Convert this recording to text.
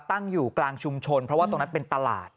ตั้งอยู่กลางชุมชนเพราะว่าตรงนั้นเป็นตลาด